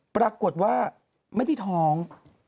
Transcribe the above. ปรากฏว่าไม่ได้ท้อง